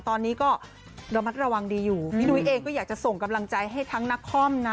ตอนนี้ก็ระมัดระวังดีอยู่พี่นุ้ยเองก็อยากจะส่งกำลังใจให้ทั้งนักคอมนะ